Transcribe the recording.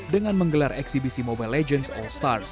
dengan menggelar eksibisi mobile legends all stars